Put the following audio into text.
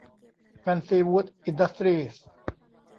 แฟนซีวู๊ด อินดัสตรีส